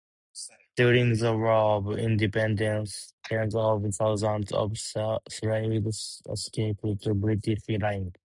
During the War of Independence, tens of thousands of slaves escaped to British lines.